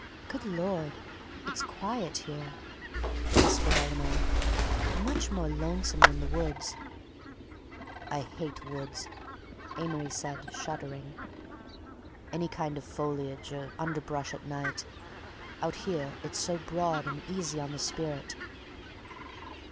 "Good Lord! It's quiet here!" whispered Eleanor; "much more lonesome than the woods." "I hate woods," Amory said, shuddering. "Any kind of foliage or underbrush at night. Out here it's so broad and easy on the spirit."